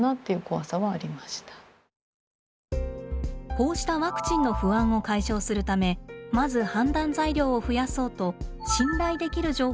こうしたワクチンの不安を解消するためまず判断材料を増やそうと信頼できる情報を集めることにしました。